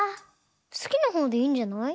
すきなほうでいいんじゃない？